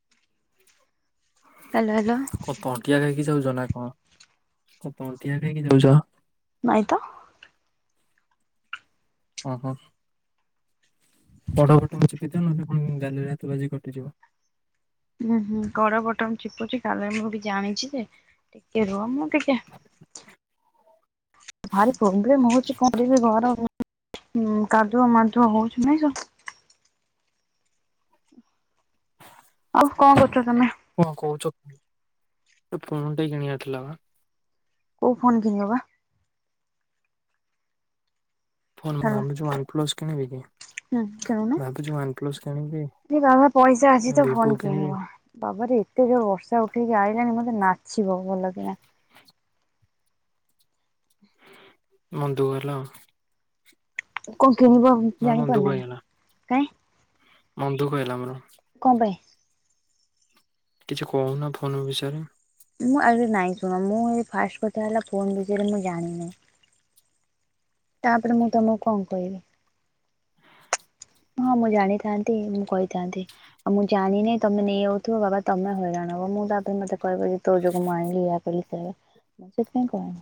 [inaudible] କାଲାର। କଣ ତଣ୍ଟିଆ ଖାଇକି ଯାଉଛ ନା କଣ କଣ ତଣ୍ଟିଆ ଖାଇକି ଯାଉଛ? ନାଇତ। ଓହୋ। କଡ ବଟମଚିପିଚ ନହେଲେପୁଣି ଗାଲିରେ ହାତ ବାଜି କଟିଯିବ। ହୁଁ ହୁଁ କଡ ଵଟମ ଚିପୁଚି ତାପରେ ମୁଁ ବି ଜାଣିଛି ଯେ ଟିକେ ରୁହ ମୁଁ ଟିକେ। ଭାରି ପ୍ରବ୍ଲେମ ହଉଛି କରିଵି ଘର କାଦୁଆ ମାଧୁଆ ହଉଚି ନାଇଁ ସ ଆଉ କଣ କରୁଚ ତମେ? କଣ କହୁଚ ଗୋଟେ ଫେନଟେ କିଣିବାର ଥିଲା ବା? କୋଉ ଫୋନ୍ କିଣିବ ବା? ଫୋନ ହ୍ୟାଲୋ ଭାବୁଚି ୱାନ୍ପ୍ଲସ କିଣିବି କି? ହୁଁ କିଣୁୁନ ଭାବୁଛି ୱାନ ପ୍ଲସ କିଣିବି ଏ ବାବା ପଇସା ନା ଅଛି ତ ଭିଭୋ ଫୋନ କିଣିବି କିଣିବ। ବାବାରେ ଏତେ ଯୋଉ ବର୍ଷା ଉଠେଇକି ଆଇଲାଣି ମତେ ନାଛିବ ଭଲ କିଣା। ମନ ଦୁଖହେଲା ଆଉ। କଁ କିଣିବ ମୋର ଜାଣି ମନ ପାରୁନ ନା କାଇଁ। ମନଦୁଖ ହେଲା ମୋର। କଁ ପାଇ? କିଛି କହୁନ ଫୋନ୍ ବିଷୟରେ। ମୁଁ ଆହୁରି ନାଇଁ ଶୁଣ ମୁଁ ଏ ଫାଷ୍ଟ କଥା ହେଲା ଫୋନ ବିଷୟରେ ମୁଁ ଜାଣିନି। ତାପରେ ମୁଁ ତମକୁ କଁ କଇବି। [inaudible] ହଁ ମୁଁ ଜାଣିଥାନ୍ତି ମୁଁ କଇଥାନ୍ତି। ଆଉ ମୁଁ ଜାଣି ନେଇ ତମେ ନେଇଯାଉଥିବ ବାବା ତମେ ହଇରାଣବ ମୁଁ ତାପରେ ମତେ କହିବ ଯେ ତୋ ଯୋଗୁ ମୁଁ ଆଣିଲି। ବୋଲି କହିବ ସେଥି ପାଇଁ କହେନି।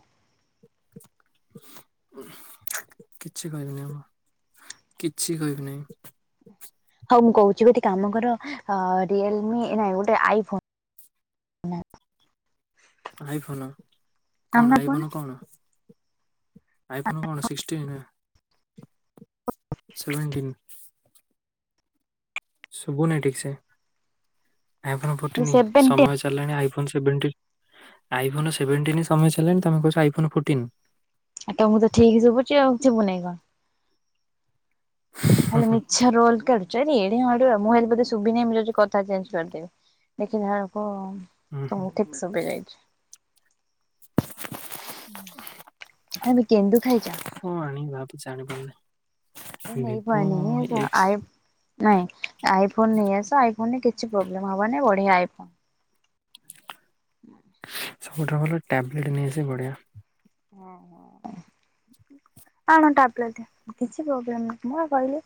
କିଛି କହିବିନି ମୁଁ କିଛି କହିବି ନେଇଁ। ହଉ ମୁଁ କହୁଛି ଗୋଟେ କାମ କର ଅ ରିଏଲମି ନାଇଁ ଗୋଟେ ଆଇଫୋ ଆଇଫୋନ ଆଣୁନ କଣ ଫୋନ ଆଇଫୋନ କଣ। ଆଇ ଫୋନ କଣ ସିକସଟିନ୍ ନା ସେଭେନ୍ଟିନ୍। ଶୁବୁନେଇ ଠିକ ସେ, ଆଇଫୋନ ପଟନି ସେଭେଣ୍ଟି ସମାଜ୍ ଆଇଫୋନ୍ ସେଭେନ୍ଟିନ ଆଇଫନ ସେଭେନ୍ଟିନ୍ ସମୟ ଚାଲିଲାଣି ତମେ କହୁଚ ଅଇଫନ ଫୋଟିନ। ଆଉ ତମକୁ ତ ଠିକ ଶୁଭୁଚି ଆଉ ସୁବୁନେଇ କଣ। ଖାଲି ମିଛ ରୋଲ୍ କାଢୁଚ ଆରେ ଏଡେ ମାଡୁଆ ମୁଁ ହାଲି ବୋଧେ ସୁବି ନେଇ ମୁଁ କଥା ଚେଞ୍ଜ କରିଦେବି। ଦେଖିଲାଳୁକୁ ହୁଁ ହୁଁ ତମକୁ ଠିକସୁ ବି ଯାଇଛି। ହଁ ଏମ କେନ୍ଦୁ ଖାଇଚ? କଁ ଆଣିିବି ଭାବୁଛି ଜାଣି ପାରୁନେଇ। ଏ ନେଇ ପଇଆଇନି [unintelligible] ନାଇଁ ଆଇ ଫୋନ ନେଇ ଆସ ଆଇ ଫୋନରେ କିଛି ପ୍ରୋବ୍ଲେମ ହବନେଇଁ ବଢିଆ ଆଇଫୋନ। ସବୁଠାରୁ ଭଲ ଟ୍ୟାବଲେଟ୍ ନେଇଆସିବି ବଢ଼ିଆ। ହଁ ହଁ। ଆଣ ଟାବ୍ଲେଟ୍ କିଛି ପ୍ରୋବ୍ଲେମ ନାଇ ମୁଁ ପା କହିଲି।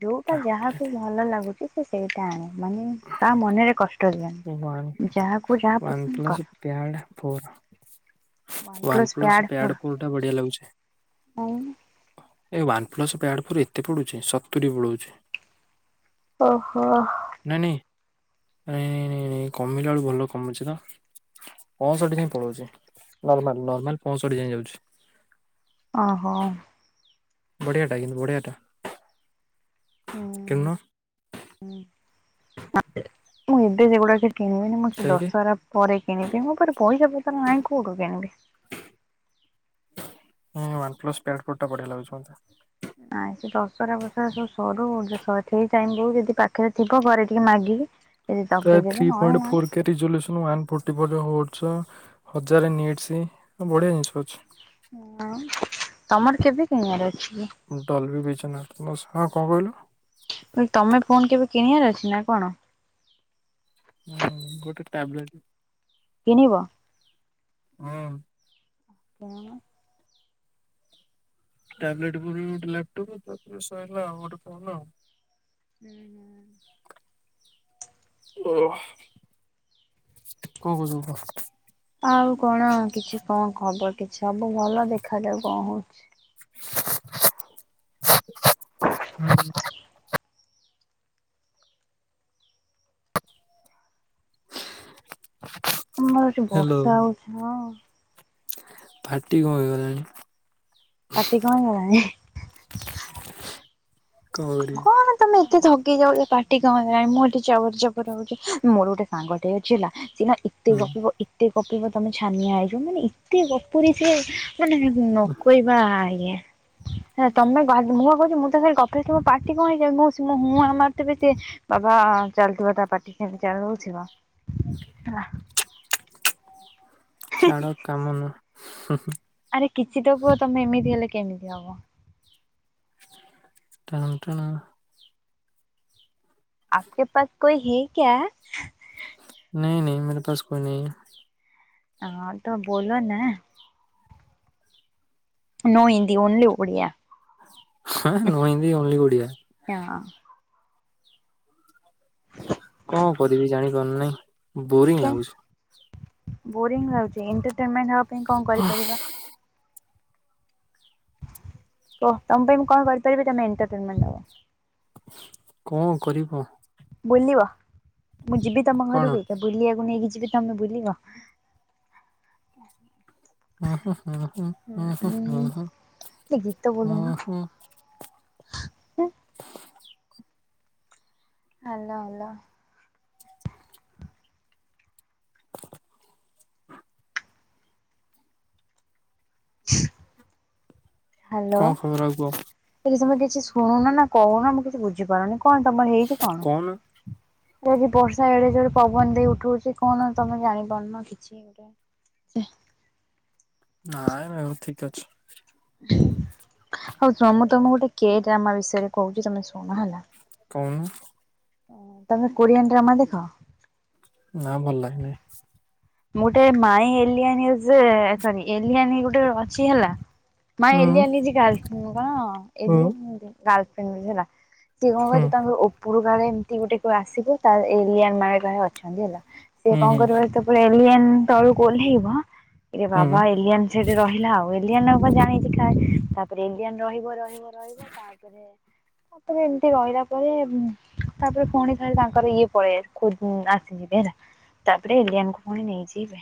ଯୋଉଟା ଯାହାକୁ ଟ୍ୟାବଲେଟ୍ ଭଲ ଲାଗୁଚି ସେ ସେଇଟା ଆଣୁ, ମାନେ କାହା ମନରେ କଷ୍ଟ ଦିଅନି। ଯାହାକୁ ଯାହା ପସନ୍ଦ କର। Pad four one plus pad four ଟା ବଢିଆ ଲାଗୁଚି। ଆଉ। ଏ ୱାନ୍ ପ୍ଲସ୍ ପ୍ୟାଡ଼୍ ପ୍ରୋ ଏତେ ପଡ଼ୁଛି ସତୁରି ପଳଉଛି। ଓହୋ। ନାଇଁ ନାଇଁ ଣେଇଁ ଣେଇଁ ଣେଇଁ ନେଇଁ କମିଲା ବେଳୁକୁ ଭଲ କମୁଛି ତ। ପଅଁଷଠି ଯାଏଁ ପଳୋଉଛି ନର୍ମାଲ ନର୍ମାଲ ପଅଁଷଠି ଯାଏଁ ଯାଉଛି। ଅଁ ହୋ। ବଢିଆଟା କିନ୍ତୁ ବଢିଆଟା। କିନ୍ନ। ହୁଁ ଆ ଏ ମୁଁ ଏବେ ସେଗୁଡା କେ କିଣିବିନୀ ମୁଁ ସେଇ ଯାଇକି ଦଶହରା ପରେ କିଣିବି, ମୋ ପାରେ ପଇସା ପତର ନାହିଁ କୋଉଠୁ କିଣିବି। ହଁ ୱାନ ପ୍ଲସ୍ ପ୍ୟାଡ୍ କୋଟ୍ ଟା ବଢିଆ ଲାଗୁଛି ମତେ। ନାଇଁ ସେ ଦଶରା ପସରା ସବୁ ସରୁ ଯେତ ଠିକ୍ ଟାଇମ୍ ବୋଉ ଯଦି ପାଖରେ ଥିବ ଘରେ ଟିକେ ମାଗିବି। ଜଦି ଦବେ ଦେବେ ନହଲେ ନାଁଇ। ଫଟିଜୁଲେସନ ୱାନ୍ ଫୋର୍ଟି ଫୋର୍ ରେ ହୋଟ୍ସଅ ହଜାରେ ନୀଡ୍ ହଁ ବଢ଼ିଆ ଜିନିଷ ଅଛି। ହୁଁ ତମର କେବେ କିଣଆର ଅଛିକି? ଡଲୁରି ବିଶ୍ୱନାଥ୍ [unintelligible] ହଁ କଅଁ କଇଁଲୁ? ମୁଁ କଇଲି ତମେ ଫୋନ୍ କେବେ କିଣିଆର ଅଛିନା କଣ? ହୁଁ ଗୋଟେ ଟାବଲେଟ୍। କିଣିବ? ହଁ। କଣ? ଟାବଲେଟ୍ ପରେ ଗୋଟେ ଲ୍ୟାପଟପ୍ ତାପରେ ସଇଲା ଆଉ ମରୋ ଫୋନ୍ ଆଉ। ହୁଁ ହୁଁ। ଓହଃ କଁ କଉଥିଲୁ କଁ। ଆଉ କଣ କିଛି କଅଁ ଖବର କିଛି ସବୁ ଭଲ ଦେଖାଯାଉ କଅଁ ହୋଉଚି। ହୁଁ। [inaudible] ଆମର ଏଠି ବର୍ଷା ହୋଉଛି ହଁ। ପାଟି କଅଁ ହେଇଗଲାଣି। ପାଟି କଣ ହେଇଗଲାଣି ହିଁ। କଁ କରିବି କଣ ତମେ ଏତେ ଥକିଯାଉଚ ପାଟି କଅଁ ହେଲାଣି ମୁଁ ଏଠି ଚବର୍ ଚବର ହୋଉଚି, ମୋର ଗୋଟେ ସାଙ୍ଗଟେ ଅଛି ହେଲା। ସେନା ଏତେ ହୁଁ ଗପିବ ଏତେ ଗପିବ ତମେ ଛାନିଆଁ ହେଇଯିବ ମାନେ ଏତେ ଗପୁରୀ ଯେ ସେଟା କିନ୍ତୁ ନକଇବା ଆଜ୍ଞା ସେଆ ତମେ ଗବ୍ ମୁଁ ପା କୋଉଚି ମୁଁ ତା ସାଙ୍ଗରେ ଗପୁଥିବ ପା ପାଟି କଁ ହେଇଯାଉନି ମୋ ସୁଅଁ ହୁଁ ହାଁ ମାରିଥିବି ସେ ବାବା ଚାଲୁଥିବ ତା ପାଟି ସେମିତି ଚାଲୁଉ ଥିବ। [unintelligible] ଛାଡ଼ କାମନୁଅଁ ହୁଁ ହୁଁ। ଆରେ କିଛିତ କୁଅ ତମେ ଏମିତି ହେଲେ କେମିତି ହବ। ଟାନ୍ ଟାଣା। ଆପ୍ କେ ପାସ୍ କୋଇ ହେ କ୍ୟା। ନେହିଁ ନେହିଁ ମେରେ ପାସ୍ କୋଇ ନେହିଁ ହେ। ହଁ ତୋ ବୋଲୋନା। No Hindi only Odia. ହୁଁ ହୁଁ ନୋ ହିନ୍ଦୀ ଓନ୍ଲି ଓଡିଆ। ଏଁ ଅଁ କଅଁ କରିବି ଜାଣିପାରୁନେଇଁ ବୋରିଂ ହଁ ଲାଗୁଚି। ବୋରିଂ ଲାଗୁଚି ଏଣ୍ଟରଟେନମେଣ୍ଟ ହବା ପାଇଁ କଅଁ କରିପାରିବା। କୁଅ ତମ ପାଇଁ ମୁଁ କଣ୍ କରିପାରିବି ତମେ ଏଣ୍ଟରଟେନମେଣ୍ଟ ହବ। କଅଁ କରିବ। ବୁଲିବ ମୁଁ ଯିବି ତମ କଣ? ଘରୁକୁ ଏକା ବୁଲିଆକୁ ନେଇକି ଯିବି? ତମେ ବୁଲିବ? ହୁଁ ଉଁ ଉଁ ଗୋଟେ ଗୀତ ବୋଲୁନ। ଉଁ ହୁଁ [inaudible] ହାଲୋ ହାଲୋ। ହାଲୋ। କଣ ଖବର ଆଉ କୁହ [unintelligible] ତମେ କିଛି ଶୁଣୁନନା କହୁନା ମୁଁ କିଛି ବୁଝିପାରୁନି କଣ ତମର ହେଇଚି କଣ? କହୁନ? ଯଦି ବର୍ଷା ଏଡ଼େ ଯୋରେ ପବନ ଦେଇ ଉଠଉଚି କଣ ତମେ ଜାଣିପାରୁନ କିଛି। [unintelligible] ନାଇଁ ମୁଁ ଠିକ ଅଛି। ହଉ ଶୁଣ ମୁଁ ତମକୁ ଗୋଟେ କେ ଡ୍ରାମା ବିଷୟରେ କହୁଛି ତମେ ଶୁଣ ହେଲା। କହୁନୁ? ତମେ କୋରିଆନ୍ ଡ୍ରାମା ଦେଖ। ନା ଭଲ ଲାଗେ ନାଇଁ। ମୁଁ ଗୋଟେ ମାଇ ଏ ଏଲିଆନି ସରି ଏଲିଆନି ଗୋଟେ ଅଛି ହେଲା। ମାଇଁ ହୁଁ ଏଲିଆଣୀ ଇଜ୍ ଗାର୍ଲ୍ଫ୍ରେଣ୍ଡ ହୁଁ କଣ [unintelligible] ସେ କ ହୁଁ ତାଙ୍କର ଉପରୁ ଗାରେ ଏମିତି ଗୋଟେ କ ଆସିବ ତ ଏଲିଆଁନ ଗାରେ ଅଛନ୍ତି ହେଲା। ସିଏ ହୁଁ କଣ ହୁଁ କରିବ ଯେତେବେଳେ ଏଲିଅନ ତଳକୁ ଓହ୍ଲେଇବ କିରେ ହୁଁ ବାବା ଏନ ସେଠି ରହିଲା ଆଉ ଏଲିଆନ ଜାଣିଛି ଖାଏ ତାପରେ ଏଲିଆନ ରହିବ ରହିବ। ରହିବ ରହିବ ତାପରେ ତାପରେ ଏମତି ରହିଲା ପରେ ତାପରେ ପୁଣି ଥରେ ତାଙ୍କର ଇଏ ପଳେଇ ଆସିବ ଆସିଯିବେ ହେଲା ତାପରେ ଏଲିଆନ କୁ ପୁଣି ନେଇଯିବେ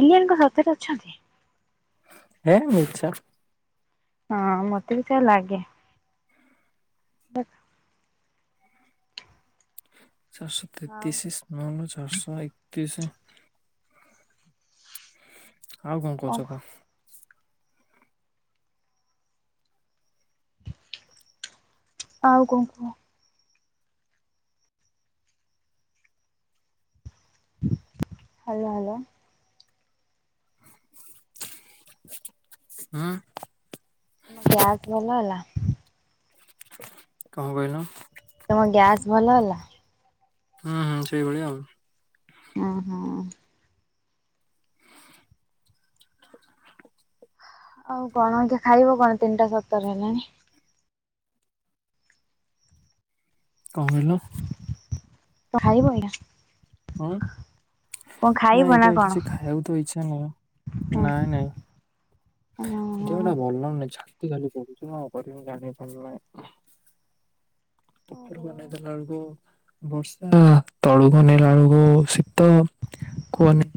ଇଲିଆନ କଣ ସତରେ ଅଛନ୍ତି?, ଏ ମିଛ। ହଁ ମତେ ବି ସେୟା ଲାଗେ। ଚାରିଶହ ଆଉ ତେତିଶ ସ୍ମଲ ଚାରିଶହ ର୍ଏକତିଶ। ଆଉ କଣ କହୁଛ କଣ? ଆଉ କଣ କୁହ? Hello hello. ହୁଁ। ତମ ଗ୍ୟାସ୍ ଭଲ ହେଲା? କଣ କହିଲ? ତମ ଗ୍ୟାସ୍ ଭଲ ହେଲା? ହୁଁ ହୁଁ ସେଇଭଳିଆ ଆଉ ଓ ହୋ। ଆଉ କଣ ଖାଇବ କଣ ତିନିଟା ସତର ହେଲାଣି। କଣ କହିଲ? କଣ ଖାଇବା ଏଇନା? ହୁଁ। କଣ ଖାଇବ ନାଁଇ ନା କଣ? କିଛି ଖାଇବାକୁ ତ ଇଛା ନାହିଁ ହଁ ନାଇଁ ନାଇଁ। ଦେହଟା ଭଲ ଲାଗୁନି ଛାତି ଖାଲି ପୋଡୁଛି କଣ କରିବି ଜାଣି ପାରୁନି? ଓହୋ ଉପରକୁ ଅନେଇ ଦେଲା ବେଳକୁ ବର୍ଷା ତଳୁକୁ ଅନେଇଲ ବେଳୁକୁ ଶୀତ କୁହନି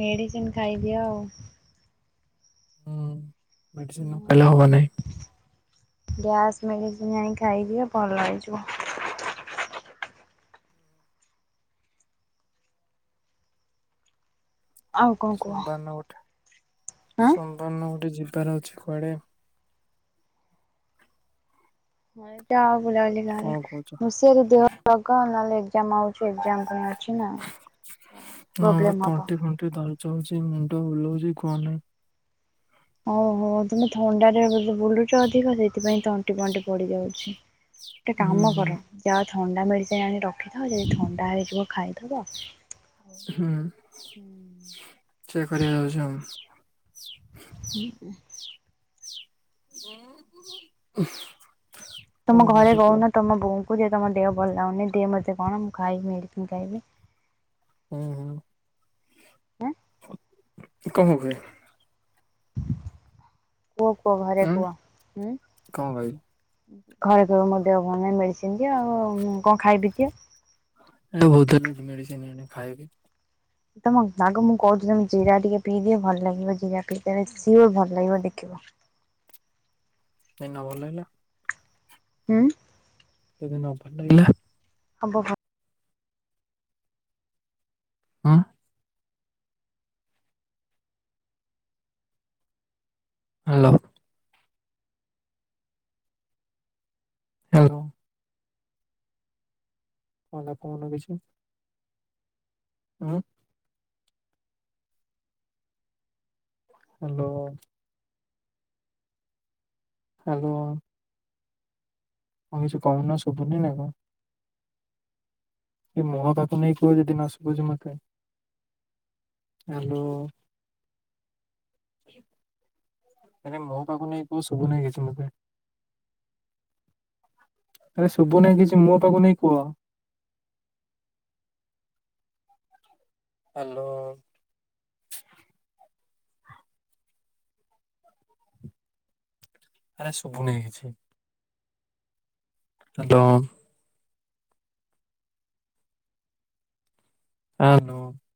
ମେଡିସିନ ଖାଇଦିଅ ଆଉ ହୁଁ ମେଡିସିନ ନ ହଁ ଖାଇଲେ ହବ ନାହିଁ। ଗ୍ୟାସ୍ ମେଡ଼ିସିନ ଆଣିକି ଖାଇଦିଅ ଭଲ ହୋଇଯିବ? ଆଉ କଣ କୁହ? ଆଁ। ସୁନ୍ଦର୍ଣ୍ଣର ଗୋଟେ ଯିବାର ଅଛି କୁଆଡେ? ହଁଟ ଆଉ ବୁଲାବୁଲି ଗାଁରେ କଣ କହୁଛ? ମୁସିିଆରେ ଦେହ ଲଗ ନହେଲେ ଜମା ହଉ କି ଏକ୍ଜାମ୍ କଣ ଅଛି ନା ତ ପ୍ରୋବ୍ଲେମ୍ ହବ। ଘଣ୍ଟେ ତଳକୁ ଚଳୁଛି ମୁଣ୍ଡ ବୁଲଉଛି କଣ ନାହିଁ? ଓହ ତମେ ଥଣ୍ଡାରେ ବୁଲୁଛ ଅଧିକ ସେଥିପାଇଁ ତଣ୍ଟି ଫଣ୍ଟି ପଡିଯାଉଛି। ଗୋଟେ ହୁଁ କାମ ହୁଁ କର ଯାହା ଥଣ୍ଡା ମେଡ଼ିସିନ ଆଣି ରଖିଥାଅ ଯଦି ଥଣ୍ଡା ହେଇଯିବ ଖାଇଦବ। ହୁଁ ସେୟା କରିବି ଯାଉଛୁ ଆଉ ଠ [unintelligible] [inaudible] କଣ ତମ ଘରେ କହୁଛ କୁହ? କହୁନ? ତମ ବୋଉଙ୍କୁ ଯେ ତମ ଦେହ ଭଲ ଲାଗୁନି, ଦିଅ ମୋତେ କଣ ମୁଁ ଖାଇି, ମେଡ଼ିସିନ ଖାଇବି। ହୁଁ, ହୁଁ। ହେ? ତମ ପାଇଁ କୁହ କୁହ ଘରେ ଉଁ କୁହ ହୁଁ କଣ କହିବି? ଘରେ କହିବ ମୋ ଦେହ ଭଲ ନାଇଁ, ମେଡିସିନ ଦିଅ, ଆଉ କଣ ଖାଇବି ଦିଅ। [unintelligible] ମେଡ଼ିସିନ ଆଣିକି ଖାଇବି। ତମ ଆଗ ମୁଁ କହୁଛି ତମେ ଜିରା ଟିକେ ପିଇଦିଅ ଭଲ ଲାଗିବ, ଜିରା ପିଇଦେଲେ ସିଓର ଭଲ ଲାଗିବ ଦେଖିବ। ଏୟିନା ଭଲ ଲାଗିଲା। ହୁଁ। [unintelligible] ହଁବ ହ। ହଁ। ହ୍ୟାଲୋ। ହ୍ୟାଲୋ। କ କନ କିଛି ହୁଁ ହ୍ୟାଲୋ। ହାଲୋ। ହଉ କିଛି କହୁନ ଶୁଭୁନି ନା କଣ? ଏଇ ମୁହଁ ପାଖକୁ ନେଇ କୁହ ଯଦି ନ ଶୁଭୁଛି ମତେ। ହାଲୋ। ମ ମୋ ପାଖକୁ ନେଇଁ କୋଉ ଶୁ ନାଇଁ କିଛି ମତେ। ଆରେ ଶୁଭୁ ନାଇଁ କିଛି ମୋ ପାଖକୁ ନେଇକି କୁହ। ହ୍ୟାଲୋ। ଆରେ ଶୁଭୁନି କିଛି। ହାଲୋ। [unintelligible]